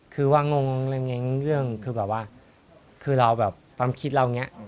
คือแบบว่าคือแบบแกต้องคิดเราไง